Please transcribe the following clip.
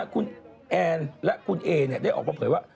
คุณแอนและคุณเอได้ออกมาเผยว่า